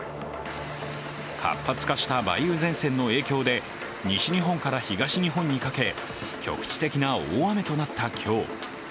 活発化した梅雨前線の影響で西日本から東日本にかけ局地的な大雨となった今日。